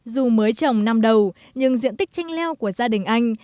dù mới trồng năm đầu nhưng diện tích chanh leo của gia đình anh